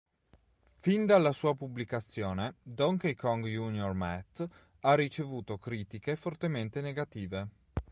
Fin dalla sua pubblicazione, "Donkey Kong Jr. Math" ha ricevuto critiche fortemente negative.